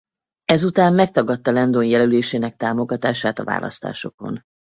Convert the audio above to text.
Ezután megtagadta Landon jelölésének támogatását a választásokon.